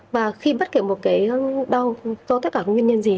và khi bất kể một cái đau có tất cả nguyên nhân gì